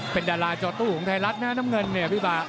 เป็นดาราจอตู้ของไทยรัฐนะน้ำเงินเนี่ยพี่บ่า